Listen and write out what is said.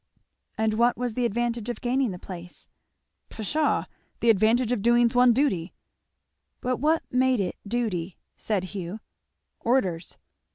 "And what was the advantage of gaining the place." "Pshaw! The advantage of doing one's duty." "But what made it duty?" said Hugh. "Orders."